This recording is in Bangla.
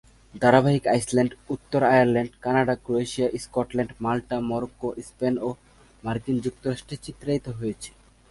ধারাবাহিকটি আইসল্যান্ড, উত্তর Ireland, Canada, Croatia, Scotland, Malta, Morocco, Spain ও মার্কিন যুক্তরাষ্ট্রে চিত্রায়িত হয়েছে।